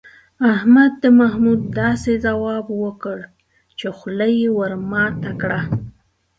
احمد د محمود داسې ځواب وکړ، چې خوله یې ور ماته کړه.